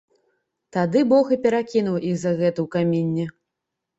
Тады бог і перакінуў іх за гэта ў каменне.